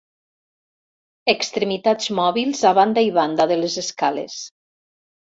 Extremitats mòbils a banda i banda de les escales.